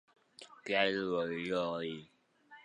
嘉義市國民運動中心